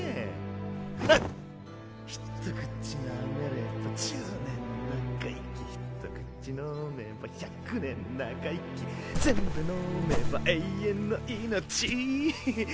ひと口なめれば１０年長生きひと口飲めば１００年全部飲めば永遠の命へへっ。